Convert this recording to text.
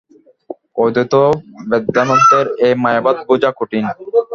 অদ্বৈত বেদান্তের এই মায়াবাদ বুঝা কঠিন।